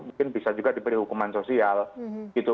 mungkin bisa juga diberi hukuman sosial gitu